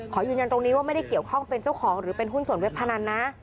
ขอยืนยันตรงนี้ว่าไม่ได้เกี่ยวข้องเป็นเจ้าของหรือเป็นหุ้นส่วนเว็บพนันนะ